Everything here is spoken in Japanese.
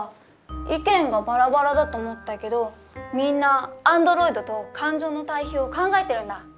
意見がばらばらだと思ったけどみんな「アンドロイド」と「感情」の対比を考えてるんだ。